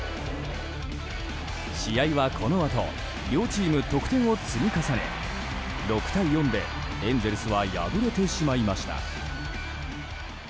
試合はこのあと両チーム得点を積み重ね６対４でエンゼルスは敗れてしまいました。